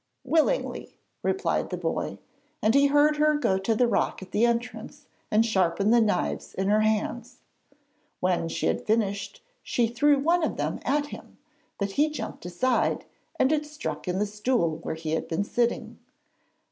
'Willingly!' replied the boy, and he heard her go to the rock at the entrance and sharpen the knives in her hands. When she had finished she threw one of them at him, but he jumped aside and it stuck in the stool where he had been sitting.